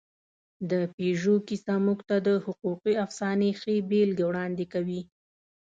د پيژو کیسه موږ ته د حقوقي افسانې ښې بېلګې وړاندې کوي.